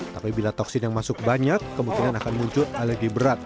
tapi bila toksin yang masuk banyak kemungkinan akan muncul alergi berat